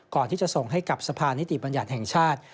ก่อนที่จะส่งให้กับสภานิติบัญญัติแห่งชาติ